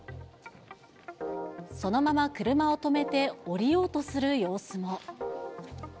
そのまま車を止めて、降りようとする様子も。